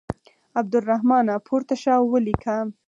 عبدالرحمانه پورته شه او ولیکه.